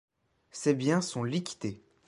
Ses biens sont liquidés.